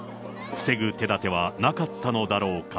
防ぐ手だてはなかったのだろうか。